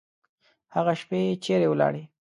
هغه شپې چیري ولاړې؟